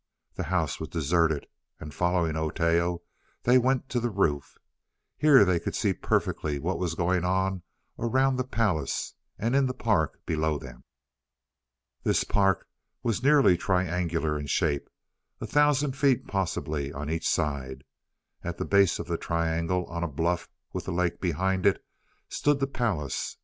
The house was deserted, and following Oteo, they went to the roof. Here they could see perfectly what was going on around the palace, and in the park below them. This park was nearly triangular in shape a thousand feet possibly on each side. At the base of the triangle, on a bluff with the lake behind it, stood the palace.